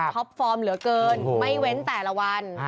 ปอร์มเหลือเกินไม่เว้นแต่ละวัน